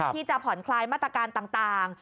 ที่จะผ่อนคลายมาตรการต่าง